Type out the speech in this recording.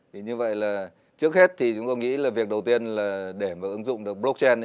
thì như vậy là trước hết thì chúng tôi nghĩ là việc đầu tiên là để mà ứng dụng được blockchain